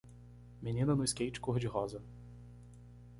Menina no skate cor de rosa.